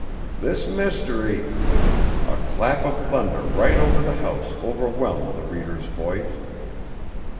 This Mystery '" A clap of thunder right over the house overwhelmed the reader's voice.